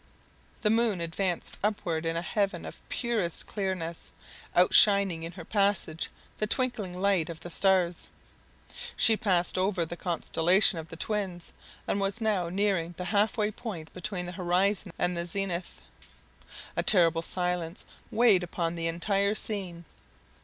The moon advanced upward in a heaven of the purest clearness, outshining in her passage the twinkling light of the stars. She passed over the constellation of the Twins, and was now nearing the halfway point between the horizon and the zenith. A terrible silence weighed upon the entire scene!